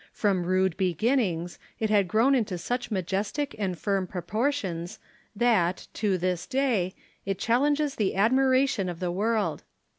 From rude beginnings, it had grown into such majestic and firm propor tions that, to this day, it challenges the admiration of the w'orld.